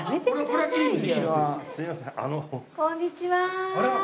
こんにちは！